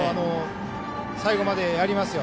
最後までやりますよ。